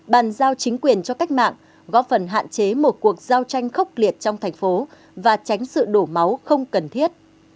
bàn giao chính quyền cho cách mạng góp phần hạn chế một cuộc giao tranh khốc liệt trong thành phố và tránh sự đổ máu không cần thiết